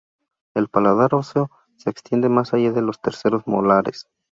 El paladar óseo se extiende más allá de los terceros molares.